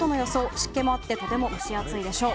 湿気もあってとても蒸し暑いでしょう。